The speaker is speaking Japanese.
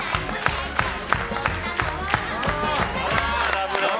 ラブラブ！